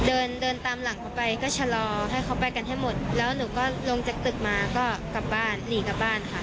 แล้วหนูก็ลงจากตึกมาก็กลับบ้านหนีกลับบ้านค่ะ